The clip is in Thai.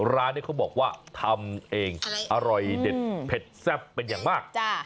ร้านนี้เขาบอกว่าทำเองอร่อยเด็ดเผ็ดแซ่บเป็นอย่างมาก